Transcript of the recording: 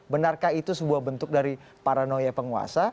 benarkah itu sebuah bentuk dari paranoiyah penguasa